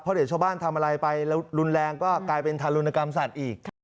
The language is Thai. เดี๋ยวชาวบ้านทำอะไรไปแล้วรุนแรงก็กลายเป็นทารุณกรรมสัตว์อีก